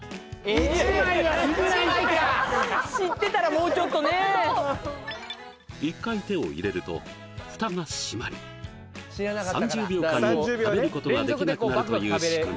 こちらは１回手を入れるとフタが閉まり３０秒間食べることができなくなるという仕組み